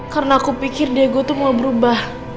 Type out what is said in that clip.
karena aku pikir diego tuh mau berubah